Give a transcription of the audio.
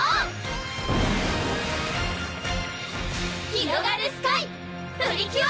ひろがるスカイ！プリキュア！